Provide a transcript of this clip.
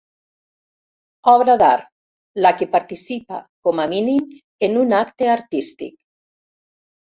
Obra d'art: la que participa com a mínim en un acte artístic.